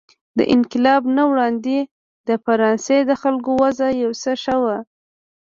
د انقلاب نه وړاندې د فرانسې د خلکو وضع یو څه ښه وه.